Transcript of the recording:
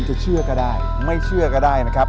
ขอบคุณพี่โจ้ด้วยครับ